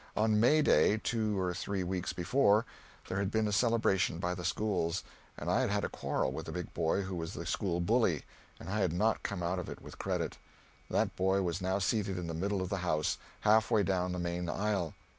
On May day, two or three weeks before, there had been a celebration by the schools, and I had had a quarrel with a big boy who was the school bully, and I had not come out of it with credit. That boy was now seated in the middle of the house, half way down the main aisle.